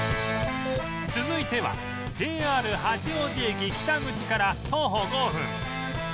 続いては ＪＲ 八王子駅北口から徒歩５分